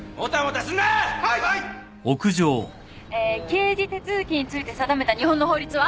刑事手続きについて定めた日本の法律は？